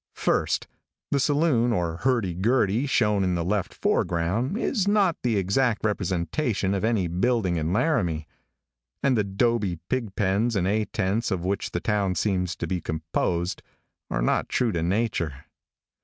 First, the saloon or hurdy gurdy shown in the left foreground is not the exact representation of any building in Laramie, and the dobe pig pens and A tents of which the town seems to be composed, are not true to nature.